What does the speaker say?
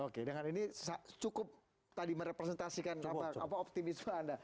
oke dengan ini cukup tadi merepresentasikan optimisme anda